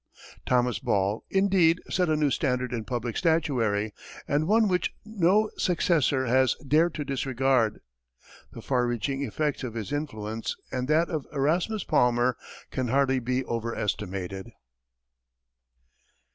Thomas Ball, indeed, set a new standard in public statuary, and one which no successor has dared to disregard. The far reaching effects of his influence and that of Erasmus Palmer can hardly be over estimated.